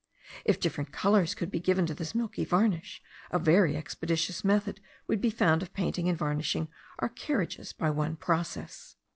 If different colours could be given to this milky varnish, a very expeditious method would be found of painting and varnishing our carriages by one process.